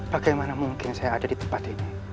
bagaimana mungkin saya ada di tempat ini